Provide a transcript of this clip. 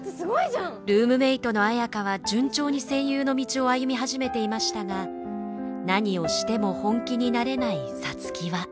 ルームメートの綾花は順調に声優の道を歩み始めていましたが何をしても本気になれない皐月は。